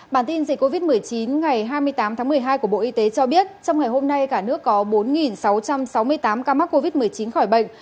bản tin dịch covid một mươi chín ngày hai mươi tám tháng một mươi hai của bộ y tế cho biết trong ngày hôm nay cả nước có bốn sáu trăm sáu mươi tám ca mắc covid một mươi chín khỏi bệnh